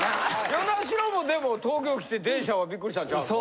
與那城もでも東京来て電車はビックリしたんちゃうんか。